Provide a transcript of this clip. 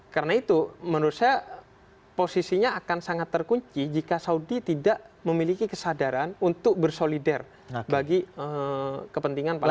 karena itu menurut saya posisinya akan sangat terkunci jika saudi tidak memiliki kesadaran untuk bersolidar bagi kepentingan palestina